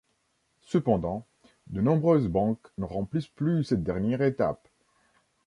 Cependant, de nombreuses banques ne remplissent plus cette dernière étape.